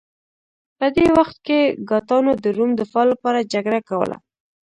په دې وخت کې ګاټانو د روم دفاع لپاره جګړه کوله